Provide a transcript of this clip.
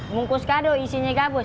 mungkus kado isinya gabus